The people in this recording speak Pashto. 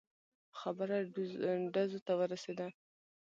خبره ډزو ته ورسېده.